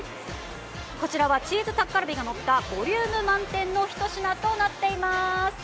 こちらはチーズタッカルビが乗ったボリューム満点のひと品となっています。